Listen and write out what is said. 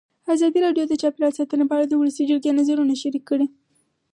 ازادي راډیو د چاپیریال ساتنه په اړه د ولسي جرګې نظرونه شریک کړي.